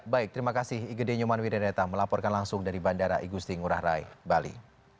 baik terima kasih igede nyoman wideneta melaporkan langsung dari bandara igusti ngurah rai bali